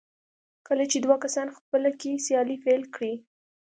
کله چې دوه کسان خپله کې سیالي پيل کړي.